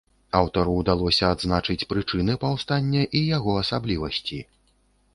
Аўтару ўдалося адзначыць прычыны паўстання і яго асаблівасці.